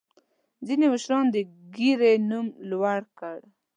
ځینې مشرانو د ګیرې نوم لوړ کړ.